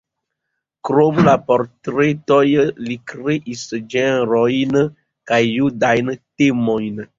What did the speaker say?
Krom la portretoj li kreis ĝenrojn kaj judajn temojn.